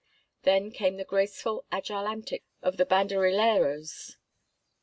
Then came the graceful, agile antics of the banderilleros.